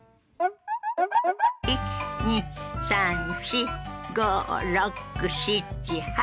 １２３４５６７８。